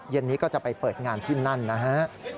นี้ก็จะไปเปิดงานที่นั่นนะฮะ